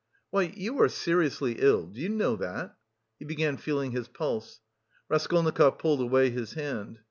"Why, you are seriously ill, do you know that?" He began feeling his pulse. Raskolnikov pulled away his hand.